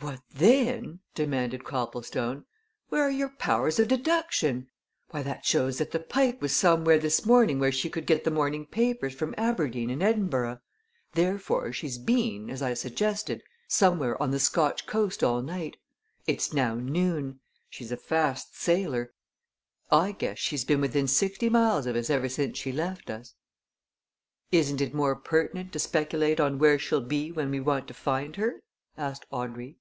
"What then?" demanded Copplestone. "Where are your powers of deduction? Why, that shows that the Pike was somewhere this morning where she could get the morning papers from Aberdeen and Edinburgh therefore, she's been, as I suggested, somewhere on the Scotch coast all night. It's now noon she's a fast sailer I guess she's been within sixty miles of us ever since she left us." "Isn't it more pertinent to speculate on where she'll be when we want to find her?" asked Audrey.